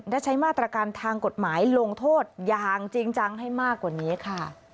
และใช้มาตรการทางกฎหมายลงโทษอย่างจริงจังให้มากกว่านี้ค่ะ